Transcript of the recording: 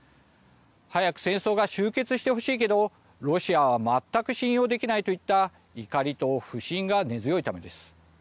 早く戦争が終結してほしいけどロシアは全く信用できないといった怒りと不信が根強いためです。